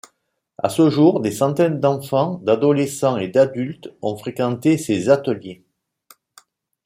À ce jour, des centaines d'enfants, d'adolescents et d'adultes ont fréquenté ses ateliers.